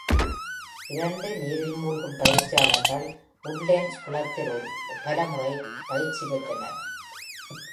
இரண்டு நீரில் மூழ்கும் பயிற்சியாளர்கள் உட்லேண்ட்ஸ் குளத்தில் பல முறை பயிற்சி பெற்றனர்.